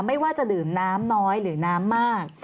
ไม่ว่าจะดื่มน้ำน้อยหรือน้ำมาก